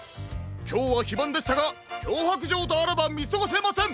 きょうはひばんでしたがきょうはくじょうとあらばみすごせません！